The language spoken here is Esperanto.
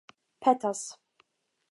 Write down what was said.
petas